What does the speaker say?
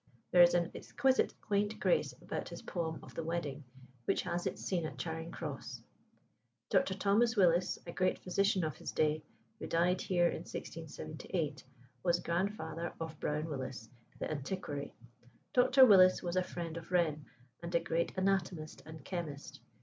There is an exquisite quaint grace about his poem of "The Wedding," which has its scene at Charing Cross. Dr. Thomas Willis, a great physician of his day, who died here in 1678, was grandfather of Browne Willis, the antiquary. Dr. Willis was a friend of Wren, and a great anatomist and chemist.